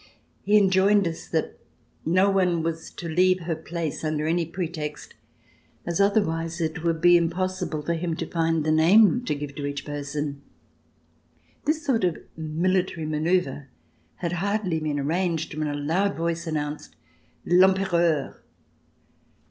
He enjoined us that no one was to leave her place under any pretext, as otherwise it would be impossible for him to find the name to [ 330] THE EMPEROR AT BORDEAUX give to each person. This sort of military manoeuvre had hardly been arranged when a loud voice an nounced: "L'Empereur!"